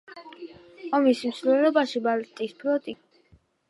ომის მსვლელობაში ბალტიის ფლოტი კიდევ უფრო გაიზარდა.